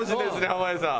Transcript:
濱家さん。